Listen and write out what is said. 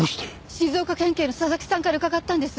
静岡県警の佐々木さんから伺ったんです。